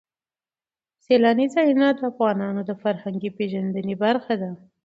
سیلاني ځایونه د افغانانو د فرهنګي پیژندنې برخه ده.